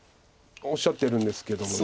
おっしゃってるんですけども。